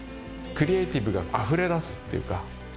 クリエーティブがあふれ出すっていうか。